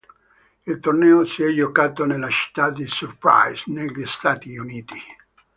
Il torneo si è giocato nella città di Surprise negli Stati Uniti.